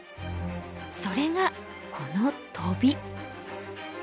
それがこのトビ。